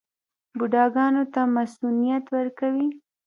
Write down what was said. بوډاګانو ته مصوونیت ورکوي.